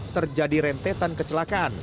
terjadi rentetan kecelakaan